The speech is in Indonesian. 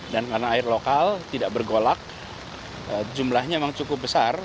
dan karena air lokal tidak bergolak jumlahnya memang cukup besar